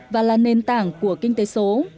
và là nền tảng của kinh tế số